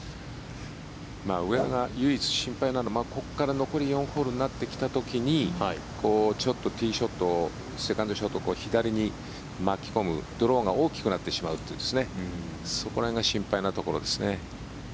上田が唯一心配なのはここから残り４ホールになってきた時にちょっとティーショットセカンドショットを左に巻き込むドローが大きくなってしまうというそこら辺が心配なところですね。